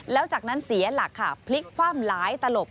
แล้วจากนั้นเสียหลักค่ะพลิกคว่ำหลายตลบ